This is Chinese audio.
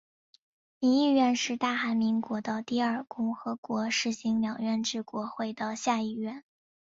民议院是大韩民国的第二共和国实行两院制国会的下议院。